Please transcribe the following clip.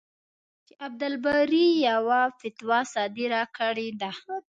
چې عبدالباري یوه فتوا صادره کړې ده.